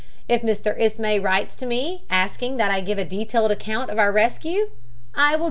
If Mr. Ismay writes to me, asking that I give a detailed account of our rescue I will do so."